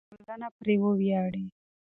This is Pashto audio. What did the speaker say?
چې ټولنه پرې وویاړي.